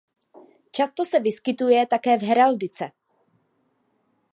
Často se vyskytuje také v heraldice.